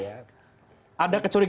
ada kecurigaan istrinya